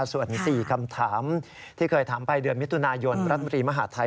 ส่วน๔คำถามที่เคยถามไปเดือนมิถุนายนรัฐมนตรีมหาดไทย